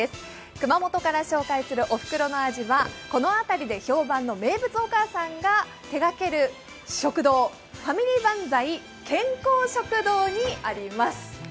熊本から紹介するおふくろの味は、この辺りで評判の名物お母さんが手がける食堂、ファミリーばんざい健康食堂にあります。